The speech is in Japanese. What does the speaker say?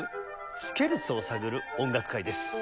スケルツォを探る音楽会」です。